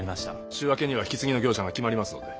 週明けには引き継ぎの業者が決まりますので。